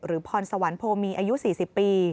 พรสวรรค์โพมีอายุ๔๐ปี